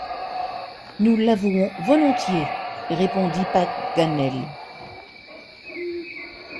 Nous l’avouons volontiers, répondit Paganel.